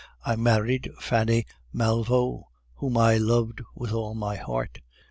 I married Fanny Malvaut, whom I loved with all my heart.